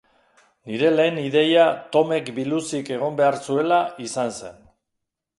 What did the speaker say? Nire lehen ideia Tomek biluzik egon behar zuela izan zen.